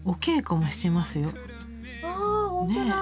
ねえ！